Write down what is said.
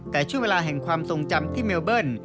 แต่ช่วงเวลาแห่งความทรงจำที่เมลเบิ้ล